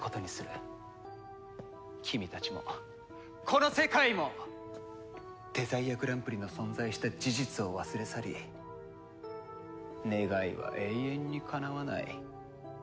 君たちもこの世界もデザイアグランプリの存在した事実を忘れ去り願いは永遠にかなわない。